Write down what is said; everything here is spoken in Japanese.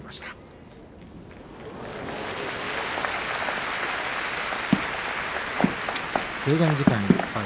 拍手制限時間いっぱい。